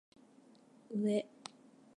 うぇ